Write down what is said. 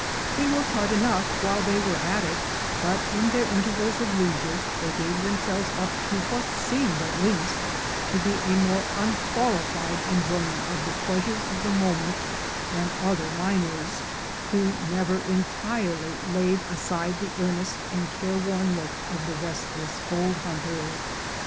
They worked hard enough while they were at it, but in their intervals of leisure they gave themselves up to what seemed at least to be a more unqualified enjoy ment of the pleasures of the moment than other miners, who never entirely laid aside the earnest and careworn look of the restless gold hunter.